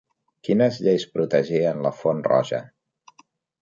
Quines lleis protegien la Font Roja?